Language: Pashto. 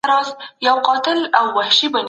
ښه ذهنیت درد نه خپروي.